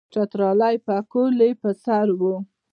چترالی پکول یې پر سر وو.